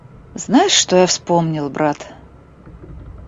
Знаешь, что я вспомнил, брат?